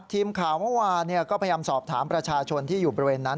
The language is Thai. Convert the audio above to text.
ทีมข่าวเมื่อวานก็พยายามสอบถามประชาชนที่อยู่บริเวณนั้น